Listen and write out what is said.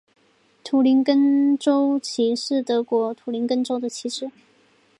图林根州旗是德国图林根州的旗帜。